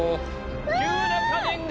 急な家電が！